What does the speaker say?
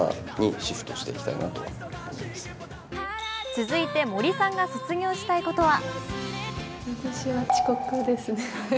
続いて、森さんが卒業したいことは？